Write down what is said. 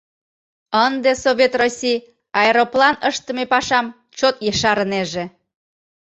Ынде Совет Россий аэроплан ыштыме пашам чот ешарынеже.